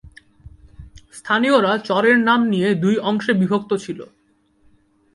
স্থানীয়রা চরের নাম নিয়ে দুই অংশে বিভক্ত ছিল।